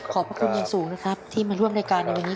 พระคุณอย่างสูงนะครับที่มาร่วมรายการในวันนี้